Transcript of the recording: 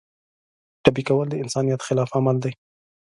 ټپي کول د انسانیت خلاف عمل دی.